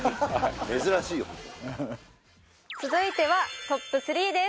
珍しいよ続いてはトップ３です